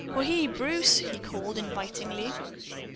Ohe, Bruce!" he called invitingly.